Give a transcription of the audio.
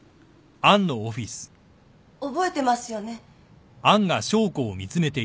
覚えてますよね？